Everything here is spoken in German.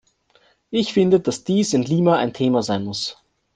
Ich finde, dass dies in Lima ein Thema sein muss.